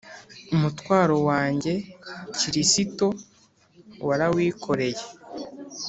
Umutwaro wanjye kirisito warawikoreye